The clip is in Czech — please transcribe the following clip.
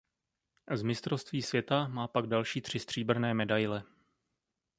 Z mistrovství světa má pak další tři stříbrné medaile.